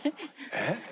えっ？